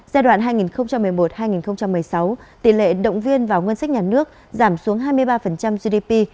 giai đoạn hai nghìn một mươi một hai nghìn một mươi sáu tỷ lệ động viên vào ngân sách nhà nước giảm xuống hai mươi ba gdp